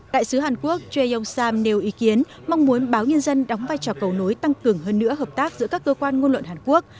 đại sứ hàn quốc je yong sam nêu ý kiến mong muốn báo nhân dân đóng vai trò cầu nối tăng cường hơn nữa hợp tác giữa các cơ quan ngôn luận hàn quốc